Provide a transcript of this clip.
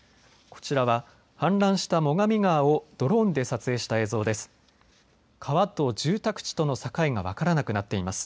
こちらは氾濫した最上川をドローンで撮影した映像です。